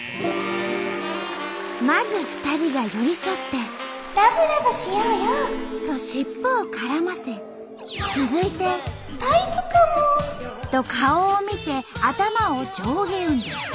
まず２人が寄り添って「ラブラブしようよ」と尻尾を絡ませ続いて「タイプかも」と顔を見て頭を上下運動。